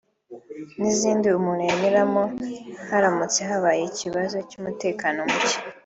n’izindi umuntu yanyuramo haramutse habaye ikibazo cy’umutekano muke